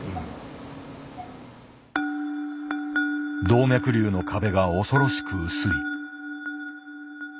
動脈瘤の壁が恐ろしく薄い。